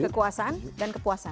kekuasaan dan kepuasan